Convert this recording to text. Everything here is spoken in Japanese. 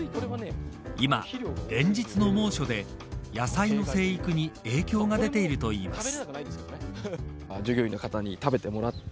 今、連日の猛暑で野菜の生育に影響が出ているといいます。